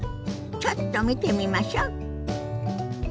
ちょっと見てみましょ。